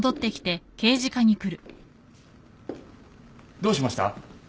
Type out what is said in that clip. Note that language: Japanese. どうしました？